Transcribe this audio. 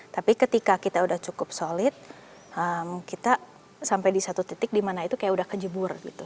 tapi ketika kita udah cukup solid kita sampai di satu titik di mana itu kayak udah kejuburan